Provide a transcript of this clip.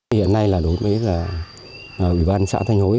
hiện nay đối với ủy ban xã thanh hối